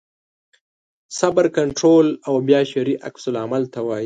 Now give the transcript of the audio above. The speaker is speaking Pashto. صبر کنټرول او بیا شرعي عکس العمل ته وایي.